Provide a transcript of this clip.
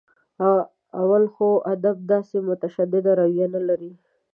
اول خو ادب داسې متشدده رویه نه لري.